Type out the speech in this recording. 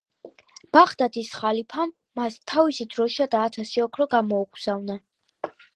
ბაღდადის ხალიფამ მას თავისი დროშა და ათასი ოქრო გამოუგზავნა.